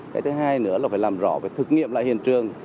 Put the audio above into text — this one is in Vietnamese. cái thứ hai nữa là phải làm rõ về thực nghiệm lại hiện trường